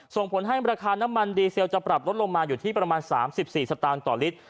ส่งผลให้ราคาน้ำมันดีเซลจะปรับลดลงมาอยู่ที่ประมาณ๓๔สตางค์ต่อลิตร